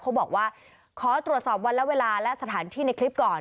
เขาบอกว่าขอตรวจสอบวันและเวลาและสถานที่ในคลิปก่อน